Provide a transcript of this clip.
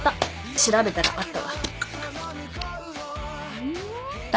調べたらあったわ。